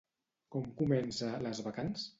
Com comença Les bacants?